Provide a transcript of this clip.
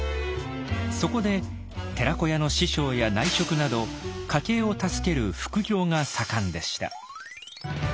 そこで寺子屋の師匠や内職など家計を助ける「副業」が盛んでした。